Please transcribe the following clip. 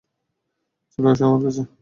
চলে আসো আমার কাছে!